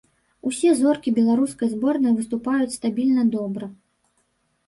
Усе зоркі беларускай зборнай выступаюць стабільна добра.